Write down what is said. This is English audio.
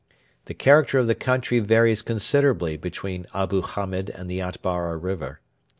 The character of the country varies considerably between Abu Hamed and the Atbara River.